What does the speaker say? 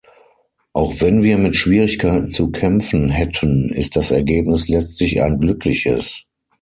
Auch wenn wir mit Schwierigkeiten zu kämpfen hätten, ist das Ergebnis letztlich ein glückliches.